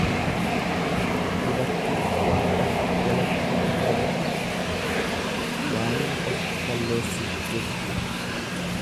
Dubartiin waa of jalatti hin ilaalle waanuma ofi balleessiti jechuudha.